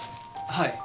はい。